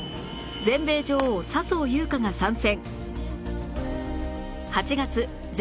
全米女王笹生優花が参戦